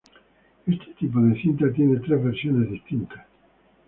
Este tipo de cinta tiene tres versiones distintas.